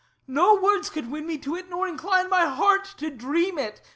No words could win me to it, nor incline My heart to dream it.